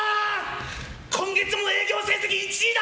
今月も営業成績１位だ！